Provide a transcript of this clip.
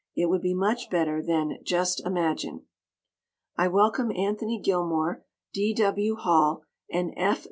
It would be much better than "Just Imagine." I welcome Anthony Gilmore, D. W. Hall and F.